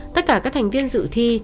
tất cả các thành viên dự thi